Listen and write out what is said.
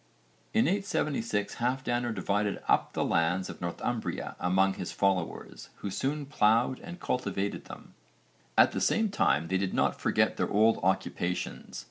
In 876 Halfdanr divided up the lands of Northumbria among his followers who soon ploughed and cultivated them. At the same time they did not forget their old occupations.